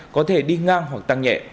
có thể đi ngang hoặc tăng nhẹ